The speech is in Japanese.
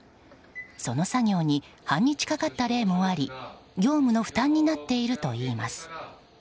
その作業に半日かかった例もあり業務の負担になっているといいます。